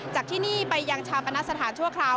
จากที่นี่ไปยังชาปนสถานชั่วคราว